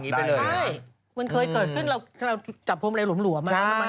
มันเคยเกิดขึ้นเราจับพรมอะไรหลวงหลัวมาก